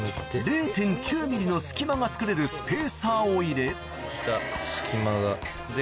０．９ｍｍの隙間がつくれるスペーサーを入れ隙間がで